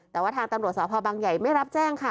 แต่ว่าทางตำรวจสพบังใหญ่ไม่รับแจ้งค่ะ